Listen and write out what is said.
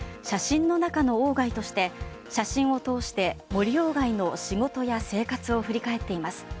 写真の中の鴎外として写真を通して森鴎外の仕事や生活を振り返っています。